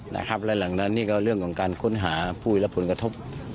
และหลังนั้นนี่ก็เรื่องของการค้นหาผู้รับผลกระทบ